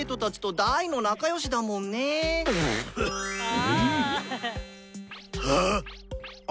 うん。はあ？